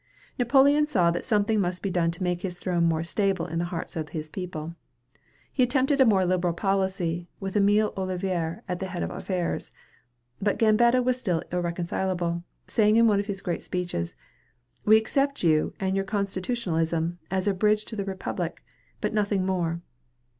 Napoleon saw that something must be done to make his throne more stable in the hearts of his people. He attempted a more liberal policy, with Émile Ollivier at the head of affairs. But Gambetta was still irreconcilable, saying in one of his great speeches, "We accept you and your Constitutionalism as a bridge to the Republic, but nothing more."